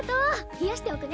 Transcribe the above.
冷やしておくね。